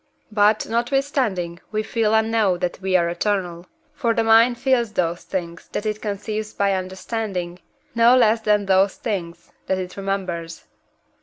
But, notwithstanding, we feel and know that we are eternal. For the mind feels those things that it conceives by understanding, no less than those things that it remembers.